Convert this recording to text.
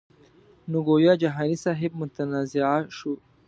نو ګویا جهاني صاحب متنازعه شو.